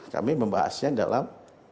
kami membahasnya dalam